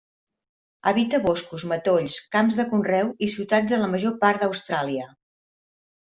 Habita boscos, matolls, camps de conreu i ciutats de la major part d'Austràlia.